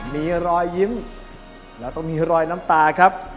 มีรอยยิ้มแล้วต้องมีรอยน้ำตาครับ